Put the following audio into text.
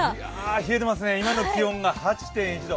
冷えていますね、今の気温が８．１度。